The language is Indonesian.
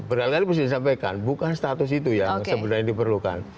banyak kali saya bisa sampaikan bukan status itu yang sebenarnya diperlukan